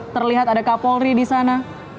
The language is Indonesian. terlihat ada kapolri di sana